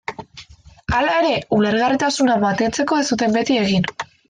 Hala ere, ulergarritasuna mantentzeko ez zuten beti egin.